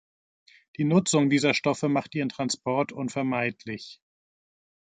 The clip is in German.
Die Nutzung dieser Stoffe macht ihren Transport unvermeidlich.